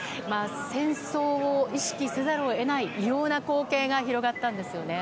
戦争を意識せざるを得ない異様な光景が広がったんですよね。